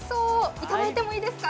いただいてもいいですか？